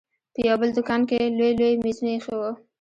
په يو بل دوکان کښې لوى لوى مېزونه ايښي وو.